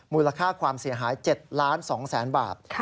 มูลค่าความเสียหาย๗๒๐๐๐๐บาท